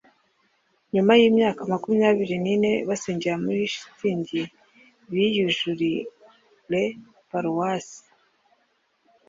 Nyuma yimyaka makumyabiri nine basengera muri shitingi biyujurijre paruwasi